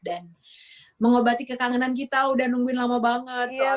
dan mengobati kekangenan kita udah nungguin lama banget soalnya